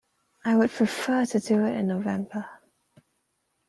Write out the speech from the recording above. I would prefer to do it in November.